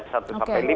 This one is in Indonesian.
satu sampai lima